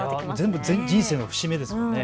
全部、人生の節目ですよね。